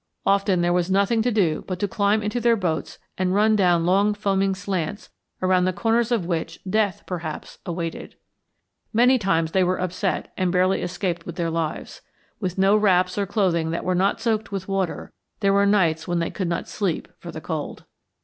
Often there was nothing to do but to climb into their boats and run down long foaming slants around the corners of which death, perhaps, awaited. Many times they were upset and barely escaped with their lives. With no wraps or clothing that were not soaked with water, there were nights when they could not sleep for the cold.